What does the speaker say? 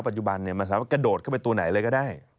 ปัจจุบันมันสามารถกระโดดเข้าไปตัวไหนเลยก็ได้